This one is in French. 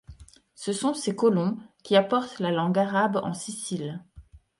Ce sont ces colons qui apportent la langue arabe en Sicile.